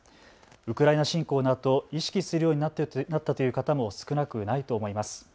ウクライナ侵攻のあと意識するようになったという方も少なくないと思います。